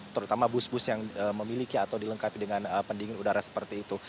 terutama bus bus yang memiliki atau dilengkapi dengan pendingin udara seperti itu